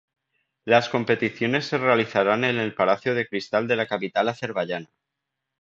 Las competiciones se realizarán en el Palacio de Cristal de la capital azerbaiyana.